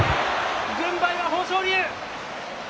軍配は豊昇龍。